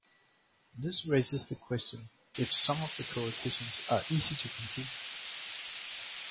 This raises the question if some of the coefficients are easy to compute.